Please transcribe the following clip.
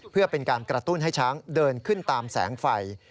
เพื่อเป็นการกระตุ้นให้ช้างเดินขึ้นตามแสงไฟ